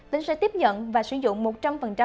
tỉnh sẽ tiếp nhận và sử dụng một trăm linh